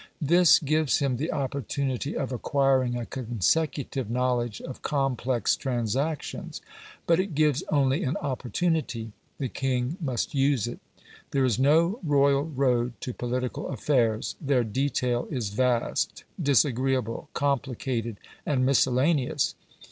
This gives him the opportunity of acquiring a consecutive knowledge of complex transactions, but it gives only an opportunity. The king must use it. There is no royal road to political affairs: their detail is vast, disagreeable, complicated, and miscellaneous.